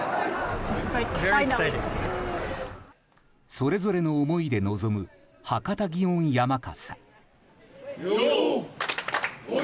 それぞれの思いで臨む博多祇園山笠。